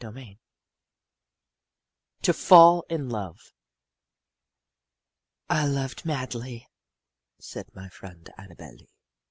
XII TO FALL IN LOVE "I loved madly," said my friend Annabel Lee.